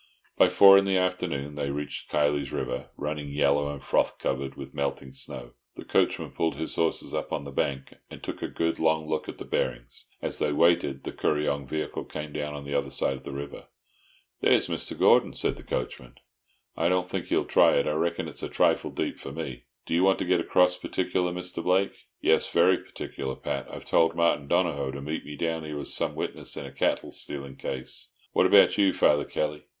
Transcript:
By four in the afternoon they reached Kiley's River, running yellow and froth covered with melting snow. The coachman pulled his horses up on the bank, and took a good, long look at the bearings. As they waited, the Kuryong vehicle came down on the other side of the river. "There's Mr. Gordon," said the coachman. "I don't think he'll try it. I reckon it's a trifle deep for me. Do you want to get across particular, Mr. Blake?" "Yes, very particularly, Pat. I've told Martin Donohoe to meet me down here with some witnesses in a cattle stealing case." "What about you, Father Kelly?"